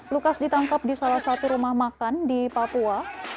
lukas ditangkap di salah satu rumah makan di papua